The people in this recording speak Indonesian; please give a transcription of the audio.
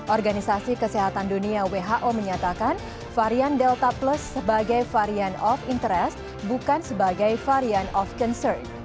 organisasi kesehatan dunia who menyatakan varian delta plus sebagai varian of interest bukan sebagai varian of concern